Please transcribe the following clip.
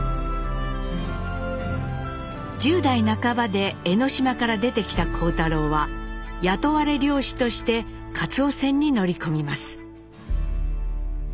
１０代半ばで江島から出てきた幸太郎は雇われ漁師としてかつお船に乗り込みます。